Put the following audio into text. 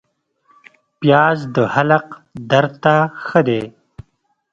پیاز د حلق درد ته ښه دی